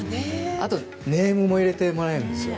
あとネームも入れてもらえるんですよ。